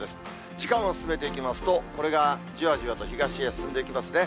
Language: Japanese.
時間を進めていきますと、これがじわじわと東へ進んでいきますね。